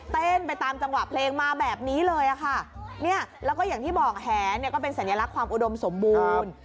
เต้นไปตามจังหวะเพลงมาแบบนี้เลยล่ะค่ะเนี่ยอย่างที่บอกแห่สัญลักษณ์ก็เป็นความอุดมสมบูรณ์